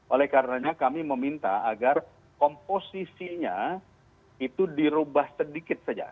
oleh karenanya kami meminta agar komposisinya itu dirubah sedikit saja